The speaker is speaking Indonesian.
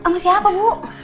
sama siapa bu